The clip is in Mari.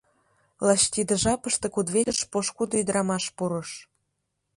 Лач тиде жапыште кудвечыш пошкудо ӱдрамаш пурыш.